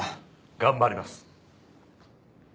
頑張ります。